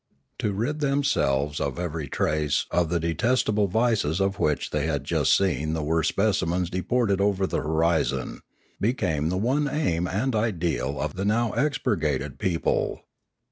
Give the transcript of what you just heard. To rid themselves of every trace of the detestable vices of which they had just seen the worst specimens deported over the horizon, became the one aim and ideal of the now expurgated people.